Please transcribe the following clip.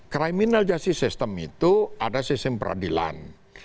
criminal justice system itu ada sistem peradilan